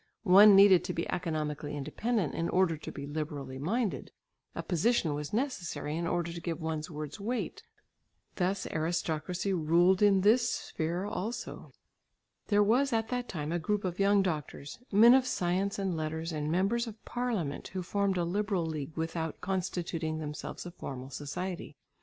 One needed to be economically independent in order to be liberally minded; a position was necessary in order to give one's words weight; thus aristocracy ruled in this sphere also. There was at that time a group of young doctors, men of science and letters, and members of parliament who formed a liberal league without constituting themselves a formal society.